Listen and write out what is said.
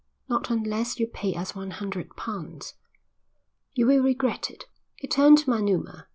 "Not unless you pay us one hundred pounds." "You will regret it." He turned to Manuma.